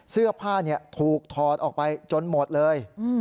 เสื้อผ้าถูกถอดออกไปจนหมดเลย